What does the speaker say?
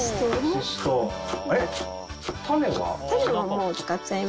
種は？